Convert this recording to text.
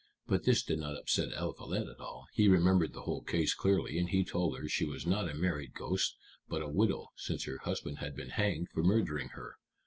But this did not upset Eliphalet at all; he remembered the whole case clearly, and he told her she was not a married ghost, but a widow, since her husband had been hanged for murdering her.